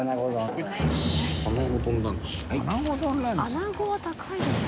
アナゴは高いでしょ。